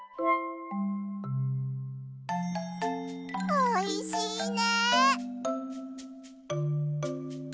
おいしいね！